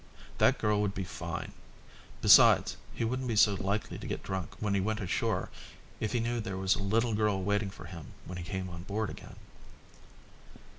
That girl would be fine. Besides, he wouldn't be so likely to get drunk when he went ashore if he knew there was a little girl waiting for him when he came on board again.